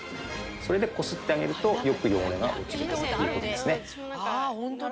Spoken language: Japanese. それでこすってあげるとよく汚れが落ちるという事ですね。